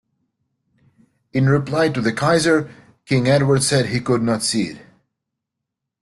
In reply to the Kaiser, King Edward said he could not see it.